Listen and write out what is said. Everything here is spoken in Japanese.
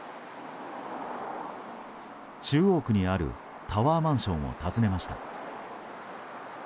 中央区にあるタワーマンションを訪ねました。